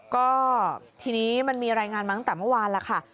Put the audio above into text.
ก็ทีนี้มันมีรายงานมาตั้งแต่เมื่อวานแล้วค่ะ